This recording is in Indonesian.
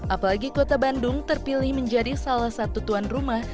apalagi kota bandung terpilih menjadi salah satu tuan rumah